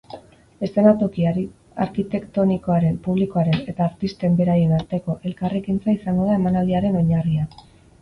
Eszenatoki arkitektonikoaren, publikoaren eta artisten beraien arteko elkarrekintza izango da emanaldiaren oinarria.